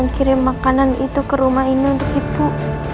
kirim makanan itu ke rumah ini untuk ibu